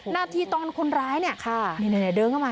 นาทีตอนคนร้ายเนี่ยเดินเข้ามา